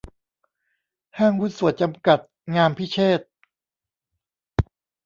ห้างหุ้นส่วนจำกัด งามพิเชษฐ์